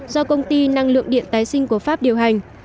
do công ty năng lượng điện tái sinh của pháp điều hành